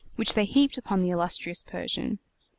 which they heaped upon the illustrious Persian.